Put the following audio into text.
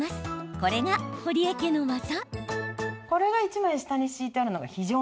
これが堀江家の技。